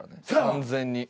完全に。